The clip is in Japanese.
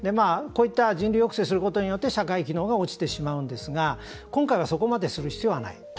こういった人流抑制をすることによって社会機能が落ちてしまうんですが今回はそこまでする必要はない。